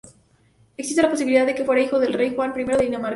Existe la posibilidad de que fuera hijo del rey Juan I de Dinamarca.